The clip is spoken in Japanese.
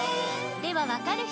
ではわかる人？